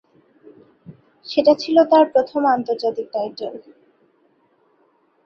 সেটা ছিল তার প্রথম আন্তর্জাতিক টাইটেল।